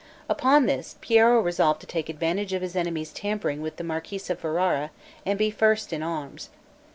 Upon this, Piero resolved to take advantage of his enemies' tampering with the marquis of Ferrara, and be first in arms.